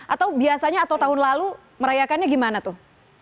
atau biasanya atau tahun lalu merayakannya gimana tuh